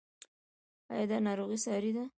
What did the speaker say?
ایا دا ناروغي ساری ده؟